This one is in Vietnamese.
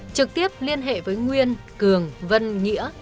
trực tiếp liên hệ với nguyên cường vân nghĩa